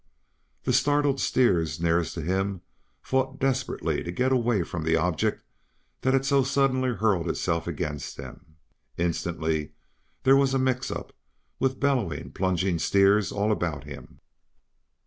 The startled steers nearest to him fought desperately to get away from the object that had so suddenly hurled itself against them. Instantly there was a mix up, with bellowing, plunging steers all about him.